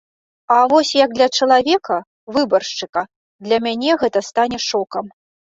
А вось як для чалавека, выбаршчыка для мяне гэта стане шокам.